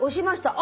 あ！